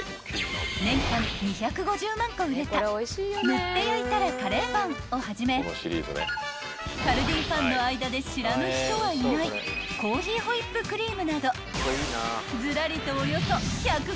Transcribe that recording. ［ぬって焼いたらカレーパンをはじめカルディファンの間で知らぬ人はいないコーヒーホイップクリームなどずらりと］